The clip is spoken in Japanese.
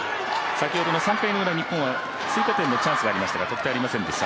先ほどの３回のウラ日本は追加点のチャンスありましたが得点ありませんでした。